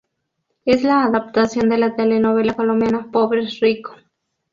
Es la adaptación de la telenovela colombiana "Pobres Rico".